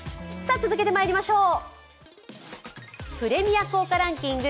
続けてまいりましょう。